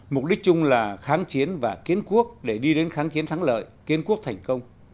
mục đích chung là kháng chiến và kiến quốc để đi đến kháng chiến thắng lợi kiên quốc thành công